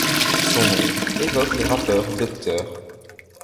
Son nom évoque le rappeur Dr.